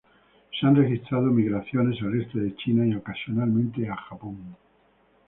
Se han registrado migraciones al este de China, y ocasionalmente a Japón.